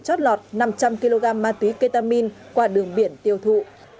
chót lọt năm trăm linh kg ma túy ketamin qua đường biển tiêu thụ